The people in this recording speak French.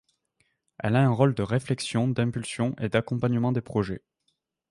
Elle a un rôle de réflexion, d'impulsion et d'accompagnement des projets.